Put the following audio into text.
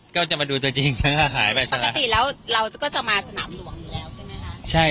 ก็จะมาดูตัวจริงปกติแล้วเราก็จะมาสนามหลวงอยู่แล้วใช่ไหมคะ